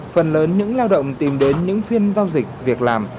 phần lớn những lao động tìm đến những phiên giao dịch việc làm